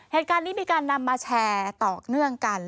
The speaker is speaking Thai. เหตุการณ์นี้มีการนำมาแชร์ต่อเนื่องกัน